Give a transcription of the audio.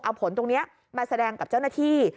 เอาผลตรงนี้มาแสดงกับเจ้าหน้าที่